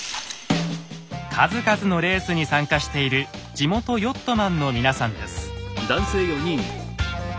数々のレースに参加している地元ヨットマンの皆さんです。